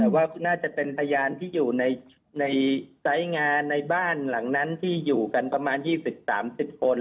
ว่าน่าจะเป็นพยานที่อยู่ในไซส์งานในบ้านหลังนั้นที่อยู่กันประมาณ๒๐๓๐คน